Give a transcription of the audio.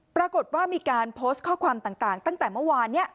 ปรากฏว่ามีการโพสต์ข้อความต่างตั้งแต่เมื่อวาน